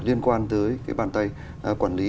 liên quan tới cái bàn tay quản lý